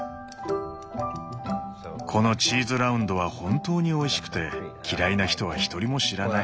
このチーズラウンドは本当においしくて嫌いな人は一人も知らない。